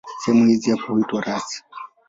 Sehemu hizi pia huitwa rasi.